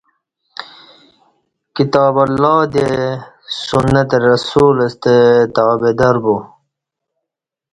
کتاب اللہ دی سنت رسول ستہ تابعداربو